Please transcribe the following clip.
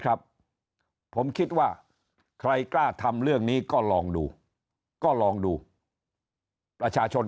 ครับผมคิดว่าใครกล้าทำเรื่องนี้ก็ลองดูก็ลองดูประชาชน